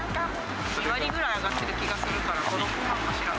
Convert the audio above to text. ２割ぐらい上がってる気がするから、５、６万かしら。